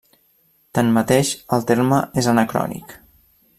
Tanmateix el terme és anacrònic.